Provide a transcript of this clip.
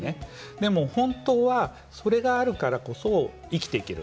でも本当はそれがあるからこそ生きていける。